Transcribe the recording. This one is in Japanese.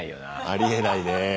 ありえないね。